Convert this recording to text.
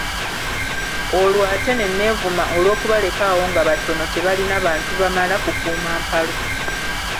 Olwo ate ne neevuma olw'okubaleka awo nga batono tebalina bantu bamala kukuuma mpalo.